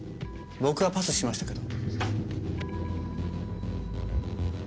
僕はパスしましたけど。